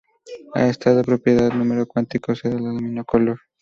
A esta propiedad o número cuántico se le denominó color.